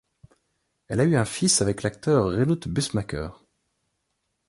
Elle à eu un fils avec l'acteur Reinout Bussemaker.